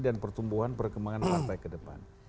dan pertumbuhan perkembangan partai ke depan